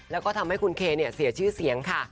แล้วก็ทำให้คุณเคเสียชื่อเสียงค่ะ